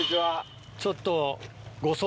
ちょっと。